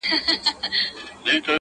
څارنوال ودغه راز ته نه پوهېږي،